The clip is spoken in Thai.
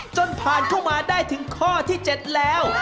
จนผ่านเข้ามาได้ถึงข้อที่๗แล้ว